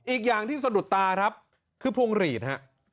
อีกอย่างที่สะดุดตาครับคือพวงหลีดฮะ